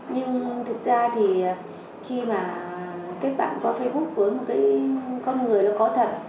nhưng thực ra thì khi mà các bạn qua facebook với một con người có thật